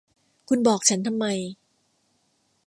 คุณบอกฉันทำไม